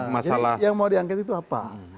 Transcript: jadi yang mau diangket itu apa